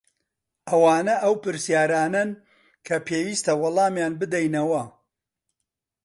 ئەوانە ئەو پرسیارانەن کە پێویستە وەڵامیان بدەینەوە.